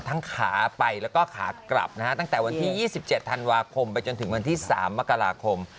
ขาไปแล้วก็ขากลับนะฮะตั้งแต่วันที่๒๗ธันวาคมไปจนถึงวันที่๓มกราคม